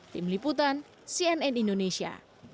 tim liputan cnn indonesia